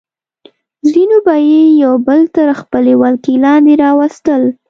ځینو به یې یو بل تر خپلې ولکې لاندې راوستل.